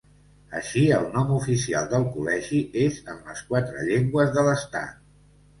Així, el nom oficial del Col·legi és en les quatre llengües de l'Estat.